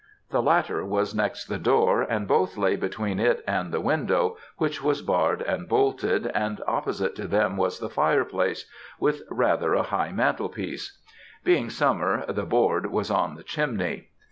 The latter was next the door, and both lay between it and the window, which was barred and bolted, and opposite to them was the fireplace, with rather a high mantlepiece. Being summer, the "board" was on the chimney.